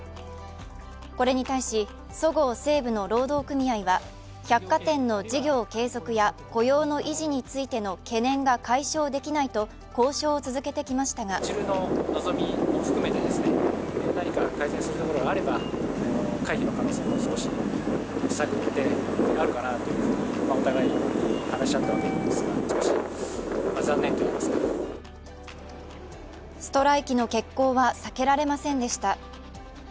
これに対し、そごう・西武の労働組合は百貨店の事業継続や雇用の維持についての懸念が解消できないと交渉を続けてきましたがストライキの決行は避けられませんでした。